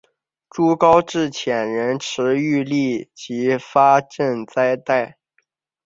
朱高炽遣人驰谕立即发廪赈贷。